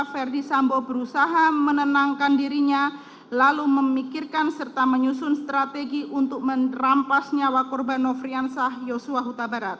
ferdi sambo berusaha menenangkan dirinya lalu memikirkan serta menyusun strategi untuk merampas nyawa korban nofrian sahyoswa hutabarat